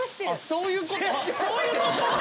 そういうこと？